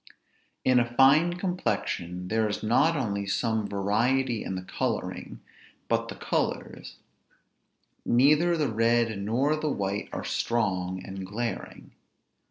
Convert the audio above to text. In a fine complexion there is not only some variety in the coloring, but the colors: neither the red nor the white are strong and glaring.